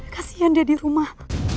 kasian dia di rumah